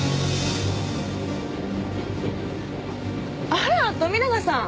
あら富永さん。